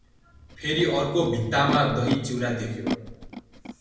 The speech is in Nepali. फेरि अर्काे भित्तामा दही चिउरा देख्यो ।